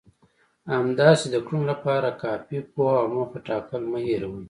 همداسې د کړنو لپاره کافي پوهه او موخه ټاکل مه هېروئ.